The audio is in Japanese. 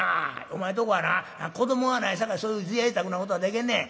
お前とこはな子どもがないさかいそういう贅沢なことができんねん。